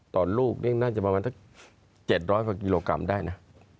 ต่อลูกนี่น่าจะประมาณเจ็ดร้อยเปอร์กิโลกรัมได้น่ะ